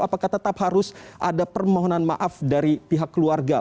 apakah tetap harus ada permohonan maaf dari pihak keluarga